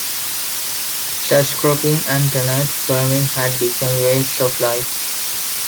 Sharecropping and tenant farming had become ways of life.